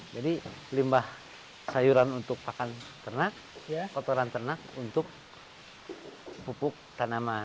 jadi limbah sayuran untuk makan ternak kotoran ternak untuk pupuk tanaman